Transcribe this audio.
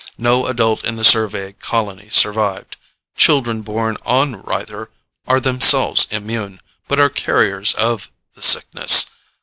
No adult in the survey colony survived; children born on Rythar are themselves immune, but are carriers of the Sickness.